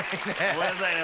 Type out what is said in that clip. ごめんなさいね